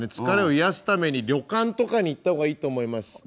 疲れを癒やすために旅館とかに行った方がいいと思います。